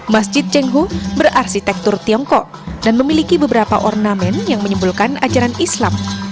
masjid cengho berarsitektur tiongkok dan memiliki beberapa ornamen yang menyimpulkan ajaran islam